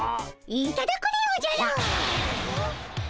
いただくでおじゃる！